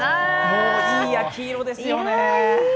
もう、いい焼き色ですよね。